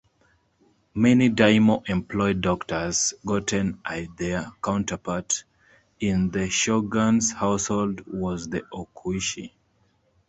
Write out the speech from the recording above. Many daimyo employed doctors, "goten'i"; their counterpart in the shogun's household was the "okuishi".